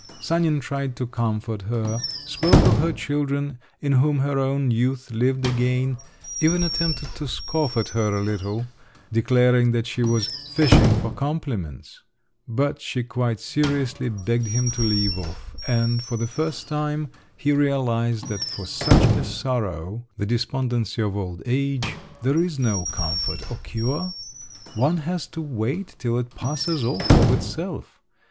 Sanin tried to comfort her, spoke of her children, in whom her own youth lived again, even attempted to scoff at her a little, declaring that she was fishing for compliments … but she quite seriously begged him to leave off, and for the first time he realised that for such a sorrow, the despondency of old age, there is no comfort or cure; one has to wait till it passes off of itself.